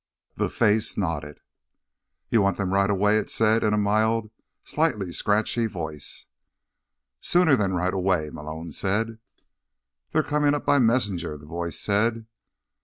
The face nodded. "You want them right away?" it said in a mild, slightly scratchy voice. "Sooner than right away," Malone said. "They're coming up by messenger," the voice said.